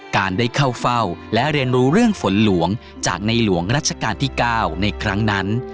การได้เข้าเฝ้าและเรียนรู้เรื่องฝนหลวงจากในหลวงรัชกาลที่๙ในครั้งนั้น